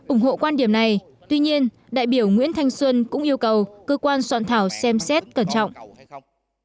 ủng hộ quan điểm này tuy nhiên đại biểu nguyễn thanh xuân cũng yêu cầu cơ quan soạn thảo xem xét cẩn trọng